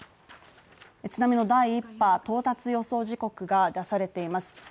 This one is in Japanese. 津波の第一波到達予想時刻が出されています